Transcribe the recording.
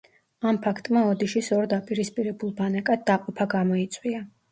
ამ ფაქტმა ოდიშის ორ დაპირისპირებულ ბანაკად დაყოფა გამოიწვია.